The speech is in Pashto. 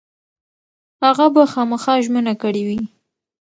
هغه به خامخا ژمنه کړې وي.